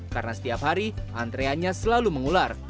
karena setiap hari antreannya selalu mengular